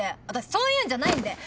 私そういうんじゃないんで！